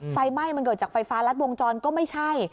ไฟไหม้มันเกิดจากไฟฟ้ารัดวงจรก็ไม่ใช่